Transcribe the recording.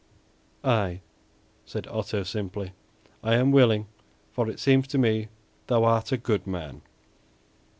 "Aye," said Otto, simply, "I am willing, for it seems to me that thou art a good man."